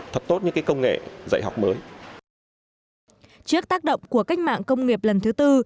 thật tốt những cái công nghệ dạy học mới trước tác động của cách mạng công nghiệp lần thứ tư